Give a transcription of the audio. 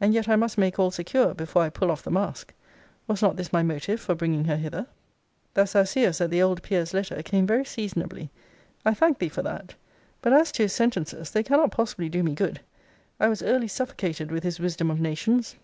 And yet I must make all secure, before I pull off the mask. Was not this my motive for bringing her hither? Thus thou seest that the old peer's letter came very seasonably. I thank thee for that. But as to his sentences, they cannot possibly do me good. I was early suffocated with his wisdom of nations.